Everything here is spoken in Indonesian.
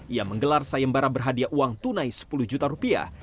ia menggelar sayembara berhadiah uang tunai sepuluh juta rupiah